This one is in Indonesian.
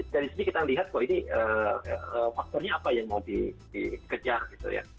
dari sini kita lihat kok ini faktornya apa yang mau dikejar gitu ya